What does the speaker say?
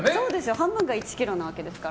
半分が１ｋｇなわけですから。